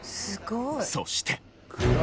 そして。